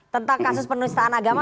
tentang kasus penulisan agama